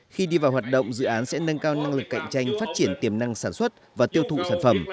khi đi vào hoạt động dự án sẽ nâng cao năng lực cạnh tranh phát triển tiềm năng sản xuất và tiêu thụ sản phẩm